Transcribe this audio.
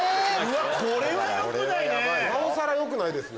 これはよくないね！